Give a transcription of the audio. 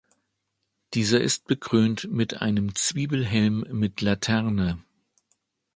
Dieser ist bekrönt mit einem Zwiebelhelm mit Laterne.